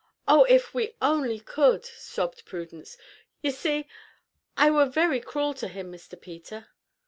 "Oh, if we only could!" sobbed Prudence. "Ye see, I were very cruel to him, Mr. Peter!"